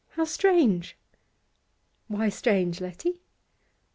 'How strange!' 'Why strange, Letty?